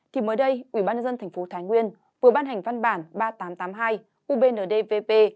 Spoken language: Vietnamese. thì mới đây ủy ban dân thành phố thái nguyên vừa ban hành văn bản ba nghìn tám trăm tám mươi hai ubndvp